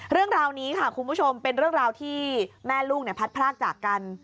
เรื่องราวนี้ค่ะคุณผู้ชมเป็นเรื่องราวที่แม่ลูกพัดพรากจากกัน